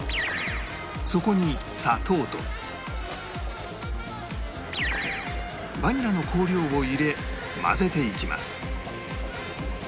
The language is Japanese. そこに砂糖とバニラの香料を入れ混ぜていきます